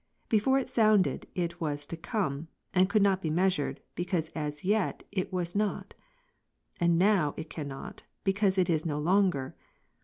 Before it sounded, it was tojcomCj and could not be measured, because as yet it was.,iiQtj_and. now "ff cannot, because it is no longer.